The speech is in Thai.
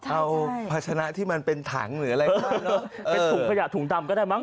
เอาภาชนะที่มันเป็นถังหรืออะไรเป็นถุงขยะถุงดำก็ได้มั้